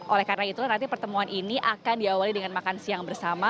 oleh karena itulah nanti pertemuan ini akan diawali dengan makan siang bersama